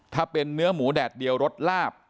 ถ้าเป็นเนื้อหมูแดดเดียวรสลาบ